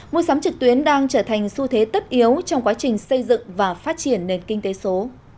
mua sắm trực tuyến đang trở thành xu thế tất yếu trong quá trình xây dựng và phát triển nền kinh tế số